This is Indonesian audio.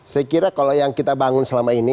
saya kira kalau yang kita bangun selama ini